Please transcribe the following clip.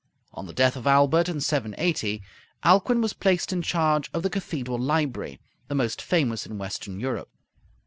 On the death of Aelbert in 780, Alcuin was placed in charge of the cathedral library, the most famous in Western Europe.